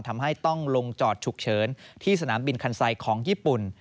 ทำให้ต้องลงจอดฉุกเฉินที่สนามบินคันไซค์ของญี่ปุ่น